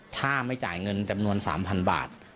ถ้าไม่จ่ายเงินจำนวน๓๐๐๐บาท